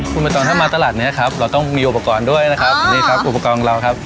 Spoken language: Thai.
คุณไม่ต้องถ้ามาตลาดเนี้ยครับเราต้องมีอุปกรณ์ด้วยนะครับนี่ครับอุปกรณ์ของเราครับ